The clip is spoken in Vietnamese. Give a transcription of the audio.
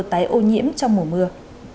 tải ô nhiễm trong mùa mưa